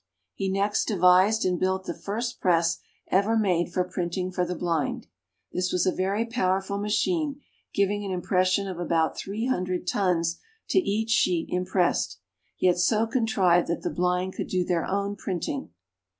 He next devised and built the first press ever made for printing for the blind. This was a very powerful machine, giving an impression of about three hundred tons to each sheet impressed, yet so contrived that the blind could do their own printing.